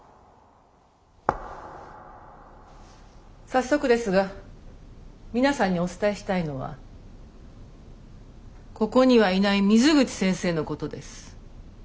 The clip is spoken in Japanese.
早速ですが皆さんにお伝えしたいのはここにはいない水口先生のことです。